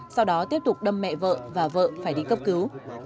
sau đó tiếp tục đâm mẹ vợ và vợ phải đi cấp cứu